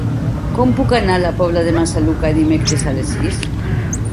Com puc anar a la Pobla de Massaluca dimecres a les sis?